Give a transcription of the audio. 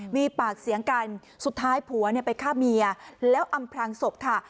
มีปากเสียงกันสุดท้ายผัวไปฆ่าเมียแล้วอำพลังศพค่ะ